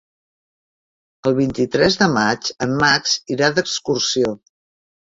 El vint-i-tres de maig en Max irà d'excursió.